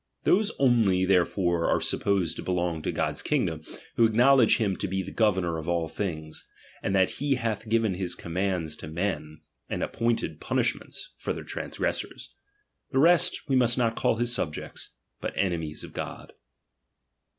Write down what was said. Those only therefore are supposed to be long to God's kingdom, who acknowledge him to be the governor of all things, and that he hath given his commands to men, and appointed punish ments for the transgressors. The rest we must not call subjects, but enemies of God.